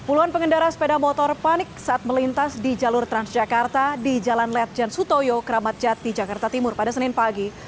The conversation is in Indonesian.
puluhan pengendara sepeda motor panik saat melintas di jalur transjakarta di jalan ledjen sutoyo kramat jati jakarta timur pada senin pagi